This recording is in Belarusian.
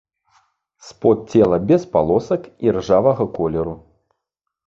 Спод цела без палосак, іржавага колеру.